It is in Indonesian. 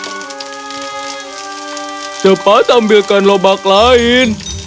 jangan misek dok fahtini atau yang lain baik baiknya la